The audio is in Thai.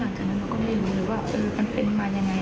และก็จะรับความจริงของตัวเอง